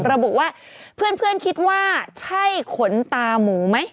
ระบุว่าเพื่อนคิดว่าใช่ขนตาหมูไหม